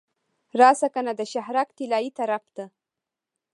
راشه کنه د شهرک طلایې طرف ته.